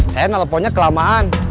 saya ngeleponnya kelamaan